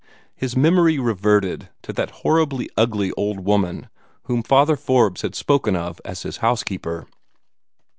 His memory reverted to that horribly ugly old woman whom Father Forbes had spoken of as his housekeeper.